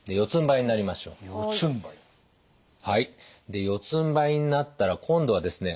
で四つんばいになったら今度はですね